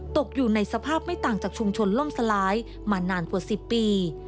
ตกอยู่ในสภาพไม่ต่างจากชุมชนล่มสลายมานานกว่า๑๐ปี